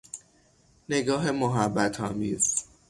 نگاه محبت آمیز